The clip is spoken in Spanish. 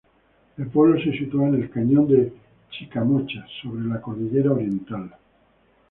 El pueblo se sitúa en el Cañón del Chicamocha, sobre la cordillera oriental.